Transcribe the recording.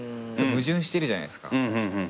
矛盾してるじゃないっすか。